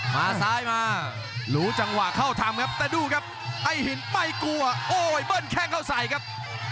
มาซ้ายมาหลูจังหวะเข้าทำครับ